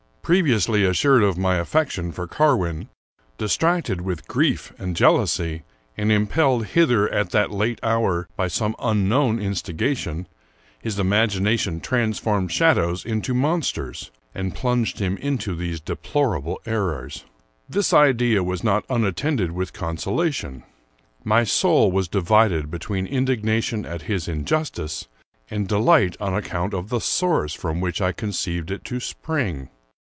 Pre viously assured of my affection for Carwin, distracted with grief and jealousy, and impelled hither at that late hour by some unknown instigation, his imagination transformed shadows into monsters, and plunged him into these deplor able errors. This idea was not unattended with consolation. My soul was divided between indignation at his injustice and delight on account of the source from which I conceived it to spring.